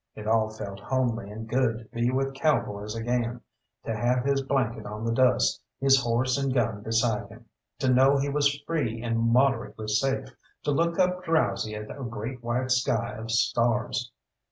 It all felt homely and good to be with cowboys again, to have his blanket on the dust, his horse and gun beside him, to know he was free and moderately safe, to look up drowsy at a great white sky of stars.